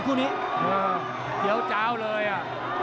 เทียวจาวเลยอะ